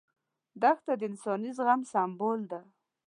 دښته د انساني زغم سمبول ده.